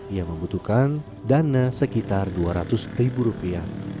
ia membutuhkan dana sekitar dua ratus ribu rupiah